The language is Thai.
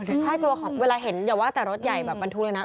ใช่กลัวเวลาเห็นอย่าว่าแต่รถใหญ่แบบบรรทุกเลยนะ